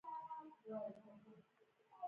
د کور زینې سختې شوې وې.